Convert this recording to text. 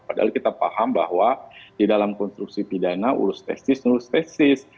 padahal kita paham bahwa di dalam konstruksi pidana urus tesis nurus tesis